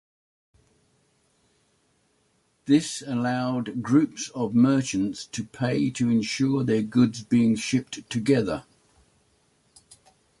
This allowed groups of merchants to pay to insure their goods being shipped together.